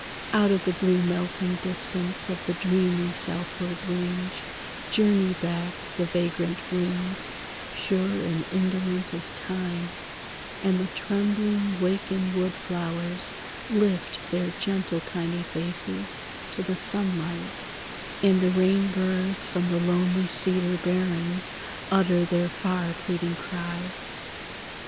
Out of the blue melting distance Of the dreamy southward range Journey back the vagrant winds, Sure and indolent as time; And the trembling wakened wood flowers Lift their gentle tiny faces To the sunlight; and the rainbirds From the lonely cedar barrens Utter their far pleading cry.